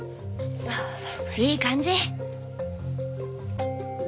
いい感じ！